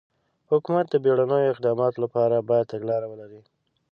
حکومت د بېړنیو اقداماتو لپاره باید تګلاره ولري.